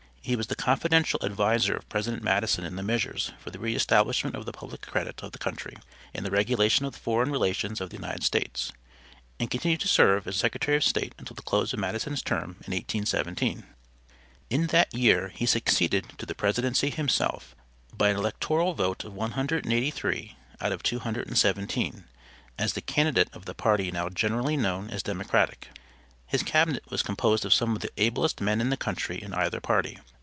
He was the confidential adviser of President Madison in the measures for the re establishment of the public credit of the country and the regulation of the foreign relations of the United States, and continued to serve as Secretary of State until the close of Madison's term in 1817. In that year he succeeded to the Presidency himself, by an electoral vote of 183 out of 217, as the candidate of the party now generally known as Democratic. His Cabinet was composed of some of the ablest men in the country in either party.